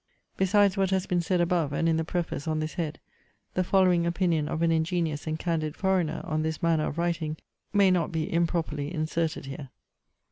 Besides what has been said above, and in the Preface, on this head, the following opinion of an ingenious and candid foreigner, on this manner of writing, may not be improperly inserted here.